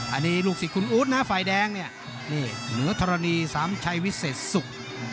อันนี้คุณอู๋ตฝ่ายแดงเนื้อธรรณีสามชัยวิเศษสุก